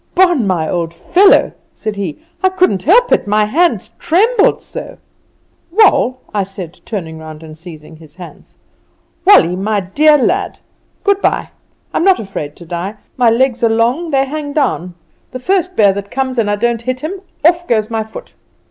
"'Bon, my old fellow,' said he, 'I couldn't help it; my hands trembled so!' "'Wall,' I said, turning round and seizing his hand, 'Wallie, my dear lad, good bye. I'm not afraid to die. My legs are long they hang down the first bear that comes and I don't hit him, off goes my foot.